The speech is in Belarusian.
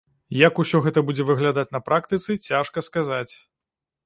Як усё гэта будзе выглядаць на практыцы, цяжка сказаць.